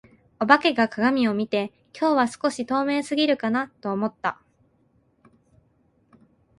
お化けが鏡を見て、「今日は少し透明過ぎるかな」と思った。